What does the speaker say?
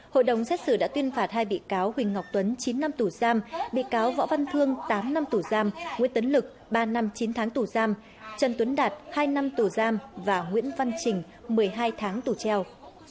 hội đồng xét xử đã tuyên phạt hai bị cáo huỳnh ngọc tuấn chín năm tù giam bị cáo võ văn thương tám năm tù giam nguyễn tấn lực ba năm chín tháng tù giam trần tuấn đạt hai năm tù giam và nguyễn văn trình một mươi hai tháng tù treo